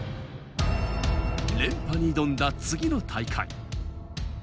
連覇に挑んだ次の大会。